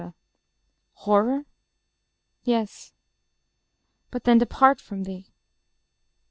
Horror? ... yes; ... But then to part from thee!